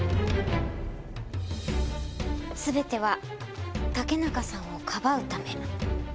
全ては竹中さんをかばうため。